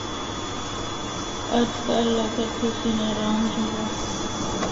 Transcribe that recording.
اجّ کل اگر تُسیں ناران جُلّو۔